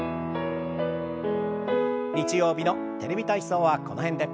日曜日の「テレビ体操」はこの辺で。